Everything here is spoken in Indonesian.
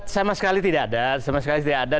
sama sekali tidak ada